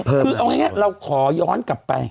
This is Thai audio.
คือเอาง่ายเราขอย้อนกลับไป